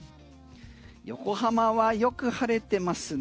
横浜はよく晴れてますね。